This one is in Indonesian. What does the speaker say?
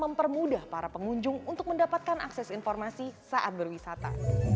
dan mempermudah para pengunjung untuk mendapatkan akses informasi saat berwisata